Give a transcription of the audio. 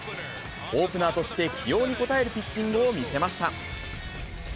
オープナーとして起用に応えるピッチングを見せました。